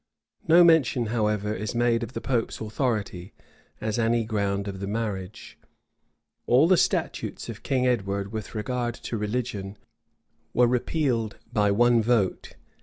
No mention, however, is made of the pope's authority, as any ground of the marriage. All the statutes of King Edward with regard to religion were repealed by one vote.